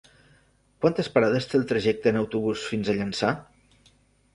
Quantes parades té el trajecte en autobús fins a Llançà?